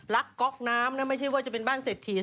ก๊อกน้ำนะไม่ใช่ว่าจะเป็นบ้านเศรษฐี